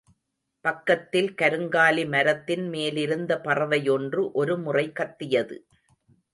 பக்கத்தில் கருங்காலி மரத்தின் மேலிருந்த பறவையொன்று ஒருமுறை கத்தியது.